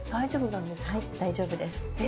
はい大丈夫です。え！